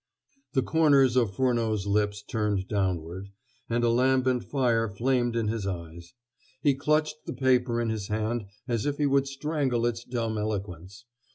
The corners of Furneaux's lips turned downward, and a lambent fire flamed in his eyes. He clutched the paper in his hand as if he would strangle its dumb eloquence.